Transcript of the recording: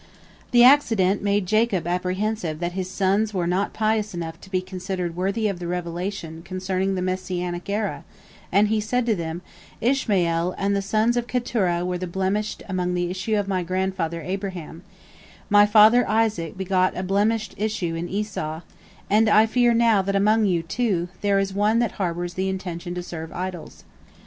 The accident made Jacob apprehensive that his sons were not pious enough to be considered worthy of the revelation concerning the Messianic era, and he said to them, "Ishmael and the sons of Keturah were the blemished among the issue of my grandfather Abraham; my father Isaac begot a blemished issue in Esau, and I fear now that among you, too, there is one that harbors the intention to serve idols."